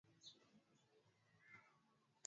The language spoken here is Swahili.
Ugonjwa wa Maziwa au Ugonjwa wa Kutupa Mimba